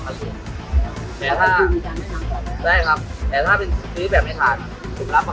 สวัสดีทุกคน